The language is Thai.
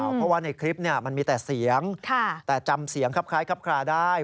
เพราะว่าในคลิปมันมีแต่เสียงแต่จำเสียงครับคล้ายครับคลาได้